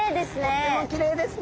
とってもきれいですね。